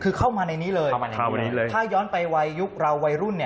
คือเข้ามาในนี้เลยถ้าย้อนไปวัยยุคเราวัยรุ่น